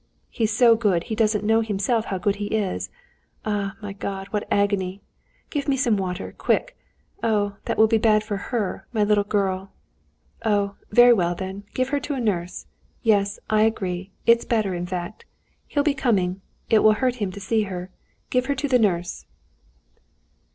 He's so good he doesn't know himself how good he is. Ah, my God, what agony! Give me some water, quick! Oh, that will be bad for her, my little girl! Oh, very well then, give her to a nurse. Yes, I agree, it's better in fact. He'll be coming; it will hurt him to see her. Give her to the nurse."